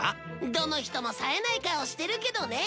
どの人もさえない顔してるけどね